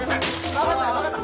分かった分かった。